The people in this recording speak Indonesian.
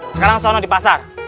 sekarang sono di pasar